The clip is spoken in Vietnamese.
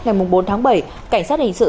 ngày bốn tháng bảy cảnh sát hình sự